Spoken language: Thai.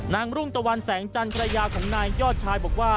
รุ่งตะวันแสงจันทร์ภรรยาของนายยอดชายบอกว่า